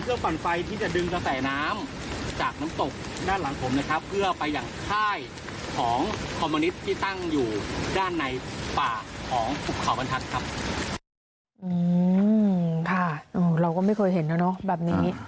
เราก็ไม่เคยเห็นแล้วเนอะแบบนี้